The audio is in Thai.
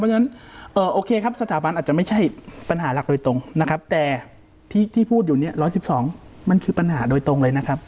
เพราะฉะนั้นโอเคครับสถาบันอาจจะไม่ใช่ปัญหาหลักโดยตรงนะครับแต่ที่พูดอยู่เนี่ย๑๑๒มันคือปัญหาโดยตรงเลยนะครับ